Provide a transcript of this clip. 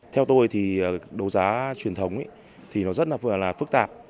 theo tôi thì đấu giá truyền thống thì nó rất là phức tạp